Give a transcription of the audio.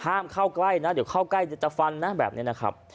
เข้าใกล้นะเดี๋ยวเข้าใกล้เดี๋ยวจะฟันนะแบบนี้นะครับ